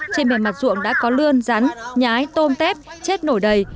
trên bề mặt ruộng đã có lươn rắn nhái tôm tép chết nổi đầy